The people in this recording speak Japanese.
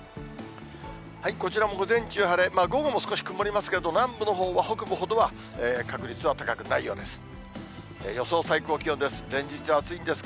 こちらも午前中、晴れ、午後も少し曇りますけど、南部のほうは北部ほどは確率は高くないようです。